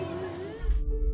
pada tujuh hari lalu